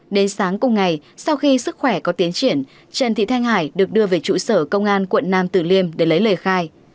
đến sáng cùng ngày sau khi sức khỏe có tiến triển trần thị thanh hải được đưa về trụ sở công an quận nam tử liêm để lấy lời khai